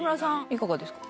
いかがですか？